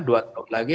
dua tahun lagi